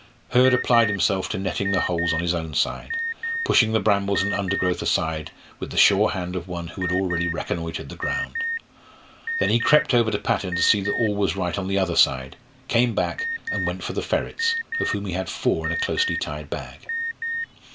Hurd applied himself to netting the holes on his own side, pushing the brambles and undergrowth aside with the sure hand of one who had already reconnoitred the ground. Then he crept over to Patton to see that all was right on the other side, came back, and went for the ferrets, of whom he had four in a closely tied bag.